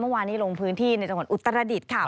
เมื่อวานนี้ลงพื้นที่ในจังหวัดอุตรดิษฐ์ค่ะ